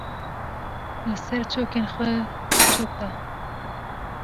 Li ser çokên xwe çok da.